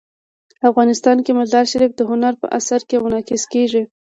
افغانستان کې مزارشریف د هنر په اثار کې منعکس کېږي.